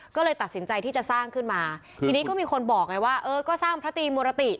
ก็เลยตัดสินใจที่จะสร้างขึ้นมาทีนี้ก็มีคนบอกไงว่าเออก็สร้างพระตรีมุรติ